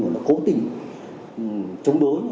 nó khố tình chống đối